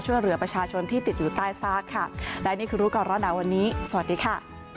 ช่วยเหลือประชาชนที่ติดอยู่ใต้ซากค่ะและนี่คือรู้ก่อนร้อนหนาวันนี้สวัสดีค่ะ